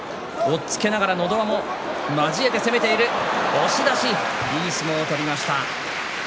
押し出していい相撲を取りました。